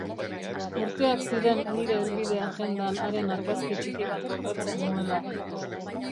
Urteak ziren nire helbide-agendan haren argazki txiki bat gordetzen nuela.